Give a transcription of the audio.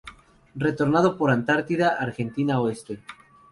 Retornando por Antártida Argentina Oeste.